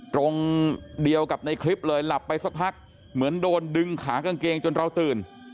ตรงเดียวกับในคลิปเลยหลับไปสักพักเหมือนโดนดึงขากางเกงจนเราตื่น